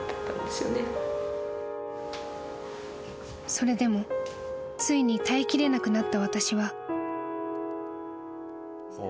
［それでもついに耐えきれなくなった私は］